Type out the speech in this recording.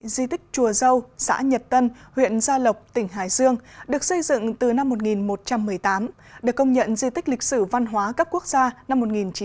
di tích chùa dâu xã nhật tân huyện gia lộc tỉnh hải dương được xây dựng từ năm một nghìn một trăm một mươi tám được công nhận di tích lịch sử văn hóa cấp quốc gia năm một nghìn chín trăm bảy mươi